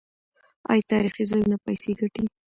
آیا تاریخي ځایونه پیسې ګټي؟